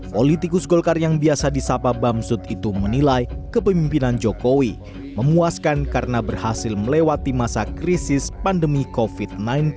politikus golkar yang biasa disapa bamsud itu menilai kepemimpinan jokowi memuaskan karena berhasil melewati masa krisis pandemi covid sembilan belas